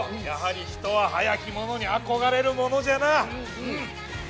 やはり人は早きものに憧れるものじゃな。